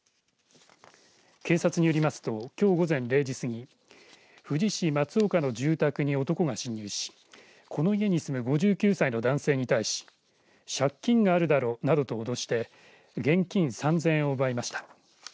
警察によりますときょう午前０時すぎ富士市松岡の住宅に男が侵入しこの家に住む５９歳の男性に対し借金があるだろ、などとおどして現金３０００円を奪いました。